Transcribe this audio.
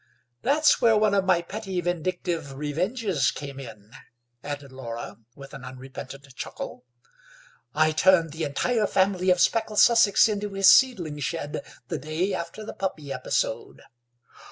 That's where one of my petty vindictive revenges came in," added Laura with an unrepentant chuckle; "I turned the entire family of speckled Sussex into his seedling shed the day after the puppy episode."